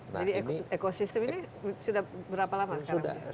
jadi ekosistem ini sudah berapa lama sekarang